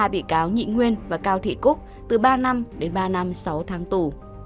ba bị cáo nhị nguyên và cao thị cúc từ ba năm đến ba năm sáu tháng tù